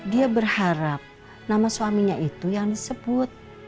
dia berharap nama suaminya itu yang disebut